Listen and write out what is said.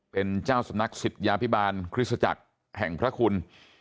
เป็นเจ้าสำนักศิษยาพิบาลคริสตจักรแห่งพระคุณ